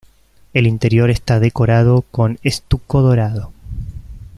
El interior está decorado con estuco dorado.